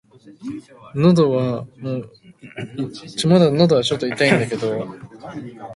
クリリソ三人前追加で